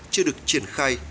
chưa được triển khai